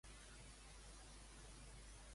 Em pots tocar al menjador música de Sopa de Cabra?